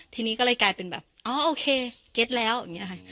ทีนี้ก็เลยกลายเป็นแบบอ๋อโอเคเก็ตแล้วอย่างนี้ค่ะ